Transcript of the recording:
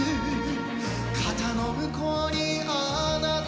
肩のむこうにあなた